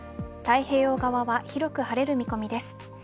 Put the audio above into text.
太平洋側は広く晴れる見込みです。